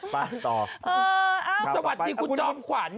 ไปต่อสวัสดีคุณจอมขวัญ